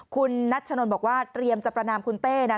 คุณนัชนนบอกว่าเตรียมจะประนามคุณเต้นะ